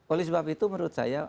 oleh sebab itu menurut saya